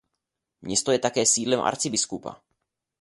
Město je také sídlem arcibiskupa.